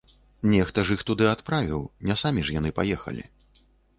Нехта ж іх туды адправіў, не самі яны паехалі.